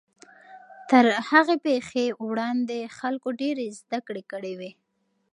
تر هغې پیښې وړاندې خلکو ډېرې زدهکړې کړې وې.